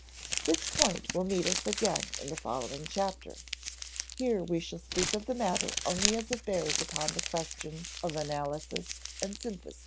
This point will meet us again in the following chapter; here we shall speak of the matter only as it bears upon the questions of analysis and synthesis.